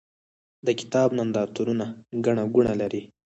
د کتاب نندارتونونه ګڼه ګوڼه لري.